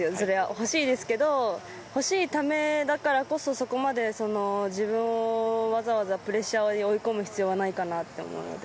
欲しいですけど欲しいためだからこそそこまで自分をわざわざプレッシャーに追い込む必要はないかなと思うので。